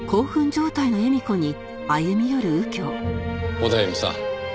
オダエミさん